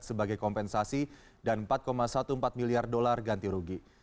sebagai kompensasi dan empat empat belas miliar dolar ganti rugi